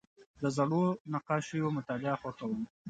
زه د زړو نقاشیو مطالعه خوښوم.